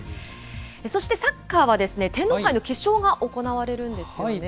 そしてサッカーは、天皇杯の決勝が行われるんですよね。